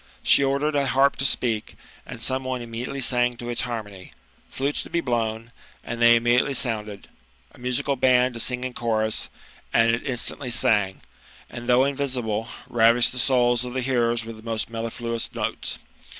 She ordered a harp to speak, and some one immediately sang to its harmony ; flutes to be blown, and they immediately sounded; a musical band to sing in chorus, and it instantly sang; and, though invisible, ravished the souls of the hearers with the most mellifluous notes.